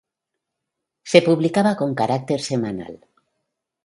Se publicaba con carácter semanal.